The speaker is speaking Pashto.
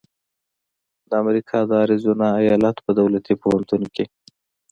د امریکا د اریزونا ایالت په دولتي پوهنتون کې